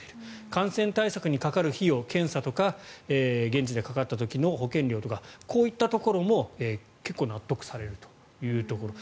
感染対策にかかる費用検査とか現地でかかった時の保険料とかこういったところも結構納得されるというところ。